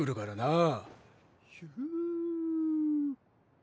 あ。